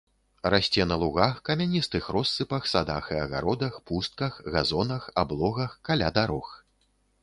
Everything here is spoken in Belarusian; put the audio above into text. Расце на лугах, камяністых россыпах, садах і агародах, пустках, газонах, аблогах, каля дарог.